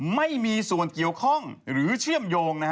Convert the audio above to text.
ไม่มีส่วนเกี่ยวข้องหรือเชื่อมโยง